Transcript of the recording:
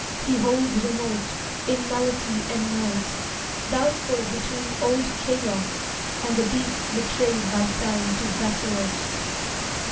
He holds remote, in nullity and night Doubtful between old Chaos, and the deeps Betrayed by Time to vassalage.